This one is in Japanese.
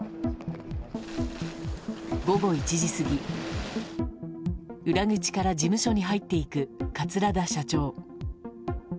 午後１時過ぎ、裏口から事務所に入っていく桂田社長。